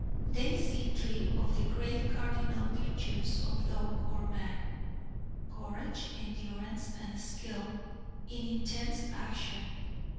They see three of the great cardinal virtues of dog or man courage, endurance, and skill in intense action.